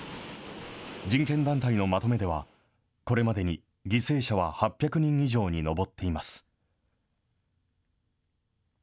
人権団体のまとめでは、これまでに犠牲者は８００人以上に上っています。